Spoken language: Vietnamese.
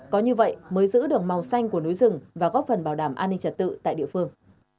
có như vậy mới giữ được màu xanh của núi rừng và góp phần bảo đảm an ninh trật tự tại địa phương